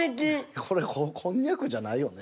これこんにゃくじゃないよね。